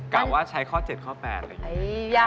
กลับว่าใช้ข้อ๗ข้อ๘อย่างนี้